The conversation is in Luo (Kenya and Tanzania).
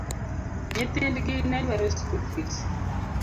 Nyithind gi ne dwaro skul fis.